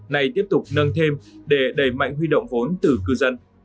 này tiếp tục nâng thêm để đẩy mạnh huy động vốn từ cư dân